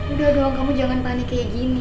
udah dong kamu jangan panik kayak gini